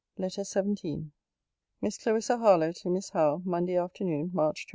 LETTER XVII MISS CLARISSA HARLOWE, TO MISS HOWE MONDAY AFTERNOON, MARCH 27.